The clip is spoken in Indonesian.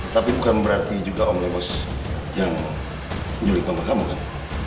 tapi bukan berarti juga om lemos yang nyulik mama kamu kan